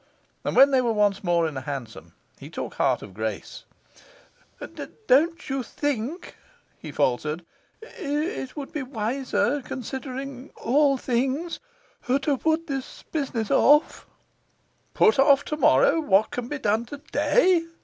And when they were once more in a hansom, he took heart of grace. 'Don't you think,' he faltered, 'it would be wiser, considering all things, to put this business off?' 'Put off till tomorrow what can be done today?